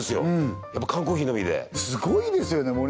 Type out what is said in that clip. やっぱ缶コーヒーのみですごいですよね